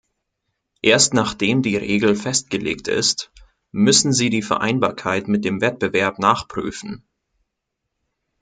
Erst nachdem die Regel festgelegt ist, müssen Sie die Vereinbarkeit mit dem Wettbewerb nachprüfen.